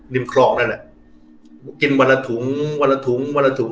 ครองนั่นน่ะกินวันละถุงวันละถุงวันละถุง